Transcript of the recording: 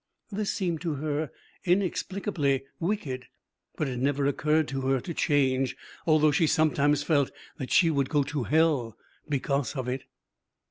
This seemed to her inexplicably wicked, but it never occurred to her to change, although she sometimes felt that she would go to hell because of it.